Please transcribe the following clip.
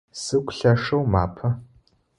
Сыгу лъэшэу мапэ.